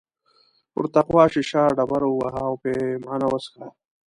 پر تقوا شیشه ډبره ووهه او پیمانه وڅښه.